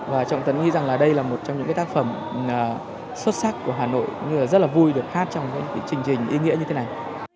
và trọng tấn nghĩ rằng là đây là một trong những cái tác phẩm xuất sắc của hà nội rất là vui được hát trong những cái chương trình ý nghĩa như thế này